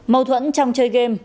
mâu thuẫn trong chơi game